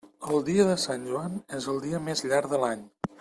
El dia de Sant Joan és el dia més llarg de l'any.